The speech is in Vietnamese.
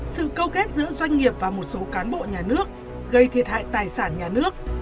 sự câu kết giữa doanh nghiệp và một số cán bộ nhà nước gây thiệt hại tài sản nhà nước